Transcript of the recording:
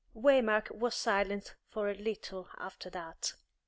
_" Waymark was silent for a little after that.